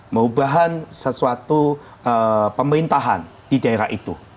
merubahan sesuatu pemerintahan di daerah itu